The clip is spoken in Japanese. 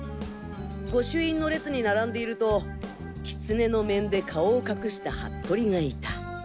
御朱印の列に並んでいるとキツネの面で顔を隠した服部がいた。